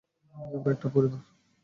আমরা একটা পরিবার।